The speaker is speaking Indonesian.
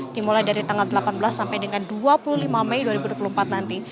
dimulai dari tanggal delapan belas sampai dengan dua puluh lima mei dua ribu dua puluh empat nanti